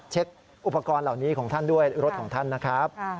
อุปกรณ์เหล่านี้ของท่านด้วยรถของท่านนะครับ